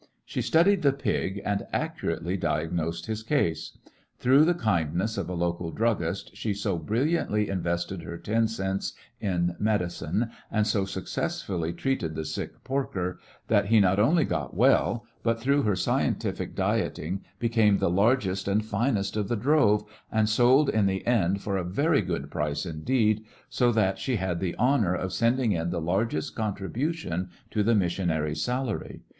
She studied the pig and accurately di agnosed his case. Through the kindness of a local drnggistj she so brilliantly invested her ten cents in medicinej and so successfully treated the sick porker, that he not only got wellj but through her scientific dieting became the largest and finest of the drove j and sold in the end for a very good price indeed, so that she had the honor of sending in the largest contribution to the missionary's salary.